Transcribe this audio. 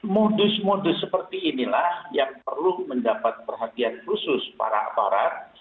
modus modus seperti inilah yang perlu mendapat perhatian khusus para aparat